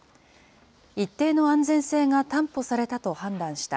一定の安全性が担保されたと判断した。